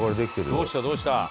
どうした？